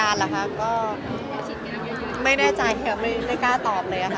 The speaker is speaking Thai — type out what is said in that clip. มันมีแนวโน้มที่จะดีให้ตรงไหนค่ะ